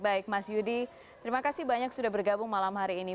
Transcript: baik mas yudi terima kasih banyak sudah bergabung malam hari ini